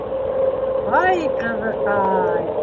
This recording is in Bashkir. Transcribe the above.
- Һай, ҡыҙыҡай!